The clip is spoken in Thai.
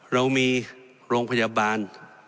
เรามีโรงพยาบาล